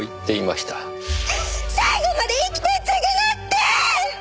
最後まで生きて償って！